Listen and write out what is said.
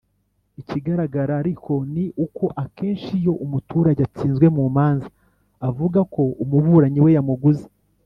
Ikigaragara ariko ni uko akenshi iyo umuturage atsinzwe mu manza avuga ko umuburanyi we yamuguze